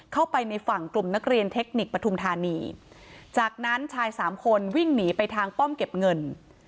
เข้าไปในฝั่งกลุ่มนักเรียนเทคนิคปฐุมธานีจากนั้นชายสามคนวิ่งหนีไปทางป้อมเก็บเงิน